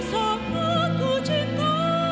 sangat ku cinta